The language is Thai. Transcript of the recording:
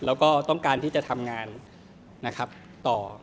แล้วก็ต้องการที่จะทำงานนะครับต่อ